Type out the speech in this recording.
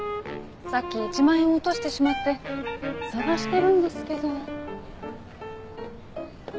さっき１万円を落としてしまって捜してるんですけど。